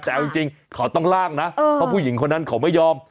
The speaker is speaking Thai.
แต่เอาจริงเขาต้องล่างนะเพราะผู้หญิงคนนั้นเขาไม่ยอม